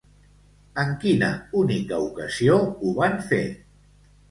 En quina única ocasió ho van fer?